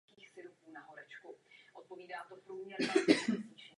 Do kostela se vejde tisíc lidí.